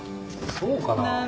そうかな。